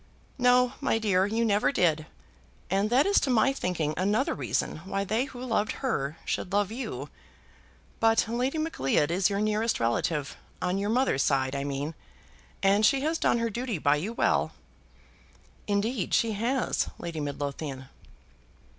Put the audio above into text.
"No, my dear, you never did; and that is to my thinking another reason why they who loved her should love you. But Lady Macleod is your nearest relative, on your mother's side, I mean, and she has done her duty by you well." "Indeed she has, Lady Midlothian."